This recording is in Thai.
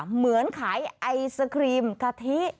เหมือนขายไอศครีมกะทิ